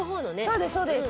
そうですそうです。